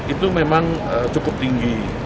itu memang cukup tinggi